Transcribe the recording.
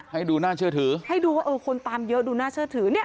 ให้ดูน่าเชื่อถือให้ดูว่าเออคนตามเยอะดูน่าเชื่อถือเนี่ย